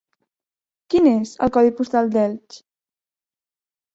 Quin és el codi postal d'Elx?